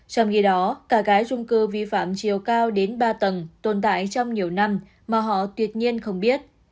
trong khi đó cả gái trung cư vi phạm chiều cao đến ba tầng tồn tại trong nhiều năm mà họ tuyệt nhiên không biết